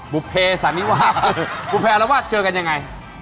บุภเพอราวาสเจอกันยังไง